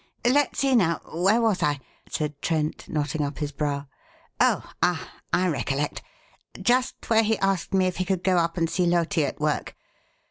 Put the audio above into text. "Let's see, now, where was I?" said Trent, knotting up his brow. "Oh, ah! I recollect just where he asked me if he could go up and see Loti at work.